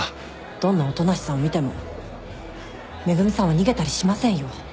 どんな音無さんを見ても恵美さんは逃げたりしませんよ。